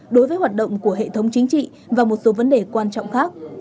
đối với hoạt động của hệ thống chính trị và một số vấn đề quan trọng khác